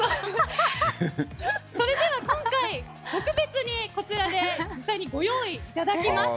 それでは今回、特別にこちらで実際にご用意いただきます。